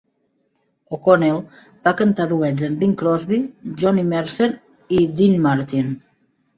O'Connell va cantar duets amb Bing Crosby, Johnny Mercer i Dean Martin.